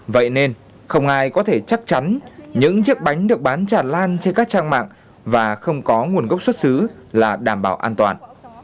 vậy nên không ai có thể chắc chắn những chiếc bánh được bán tràn lan trên các trang mạng và không có nguồn gốc xuất xứ là đảm bảo an toàn